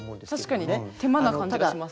確かに手間な感じがします。